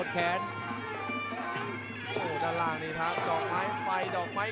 ตอนต่อไป